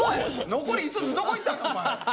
残り５つどこいったんだお前！